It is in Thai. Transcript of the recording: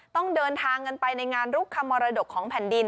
ต้องเดินทางกันไปในงานรุกคำมรดกของแผ่นดิน